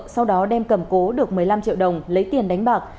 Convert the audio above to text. sau đó đem cầm cố được một mươi năm triệu đồng lấy tiền đánh bạc